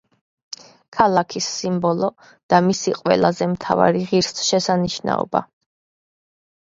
ქალაქის სიმბოლო და მისი ყველაზე მთავარი ღირსშესანიშნაობა.